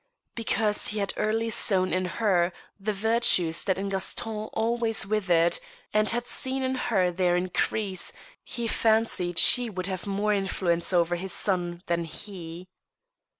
Because he had early sown in her the virtues that in Gaston always withered, and had seen in her their increase, he fancied she would have more influence over his son than he.